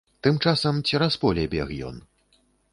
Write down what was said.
Тым часам цераз поле бег ён.